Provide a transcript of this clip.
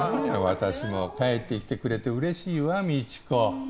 私も帰ってきてくれて嬉しいわ未知子。